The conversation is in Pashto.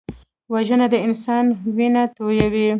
وژنه د انسان وینه تویوي